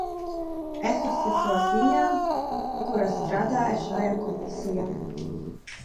Es uzticos viņām, kuras strādāja šajā komisijā.